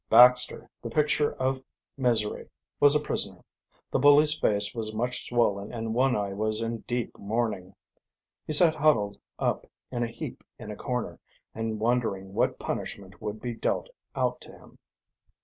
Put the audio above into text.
Baxter, the picture of misery, was a prisoner. The bully's face was much swollen and one eye was in deep mourning. He sat huddled up in a heap in a corner and wondering what punishment would be dealt out to him.